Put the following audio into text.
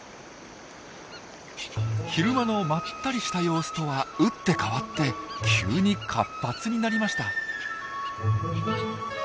昼間のまったりした様子とは打って変わって急に活発になりました。